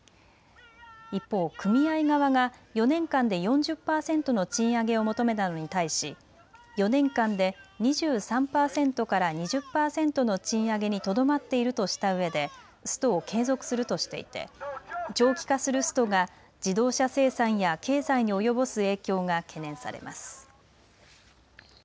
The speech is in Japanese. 一方、組合側が４年間で４０％の賃上げを求めたのに対し４年間で２３％から２０％の賃上げにとどまっているとしたうえでストを継続するとしていて長期化するストが自動車生産や経済に及ぼす影響が懸念されます。